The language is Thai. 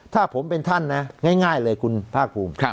ถ้าผมเป็นท่านนะง่ายเลยคุณภาคภูมิ